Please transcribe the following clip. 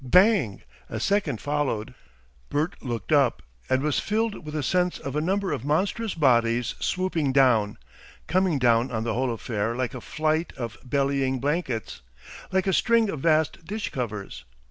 Bang! a second followed. Bert looked up and was filled with a sense of a number of monstrous bodies swooping down, coming down on the whole affair like a flight of bellying blankets, like a string of vast dish covers.